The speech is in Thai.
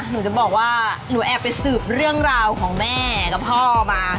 หนูจะบอกว่าหนูแอบไปสืบเรื่องราวของแม่กับพ่อมา